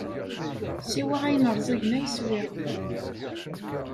Siwa ayen ṛẓagen ay swiɣ.